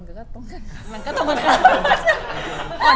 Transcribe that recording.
มันก็ต้องการ